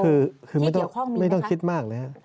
ที่เดี๋ยวข้องมีไหมคะคือไม่ต้องคิดมากนะครับ